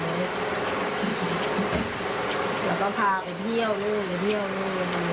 แล้วก็พาไปเที่ยวนู่นไปเที่ยวนู่นคือขับรถ